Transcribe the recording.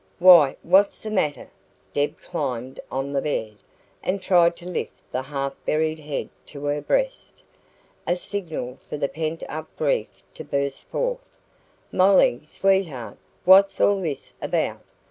"Why, what's the matter?" Deb climbed on the bed, and tried to lift the half buried head to her breast a signal for the pent up grief to burst forth. "Molly, sweetheart, what's all this about?"